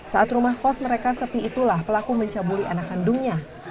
saat rumah kos mereka sepi itulah pelaku mencabuli anak kandungnya